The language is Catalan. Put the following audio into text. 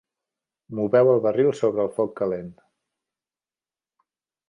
Moveu el barril sobre el foc calent.